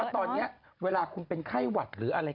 ตอนนี้เวลาเป็นไข้หวัด